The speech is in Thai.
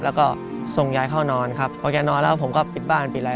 แล้วก็ส่งยายเข้านอนครับพอแกนอนแล้วผมก็ปิดบ้านปิดอะไร